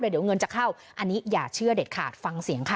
เดี๋ยวเงินจะเข้าอันนี้อย่าเชื่อเด็ดขาดฟังเสียงค่ะ